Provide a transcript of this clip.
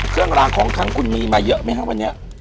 เครื่องรางของขังคุณมีมาเยอะไหมครับวันนี้